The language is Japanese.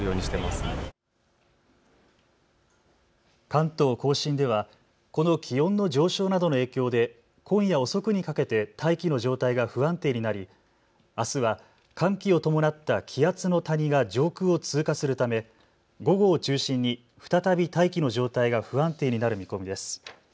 関東甲信ではこの気温の上昇などの影響で今夜遅くにかけて大気の状態が不安定になり、あすは寒気を伴った気圧の谷が上空を通過するため午後を中心に再び大気の状態が不安定になる見込みです。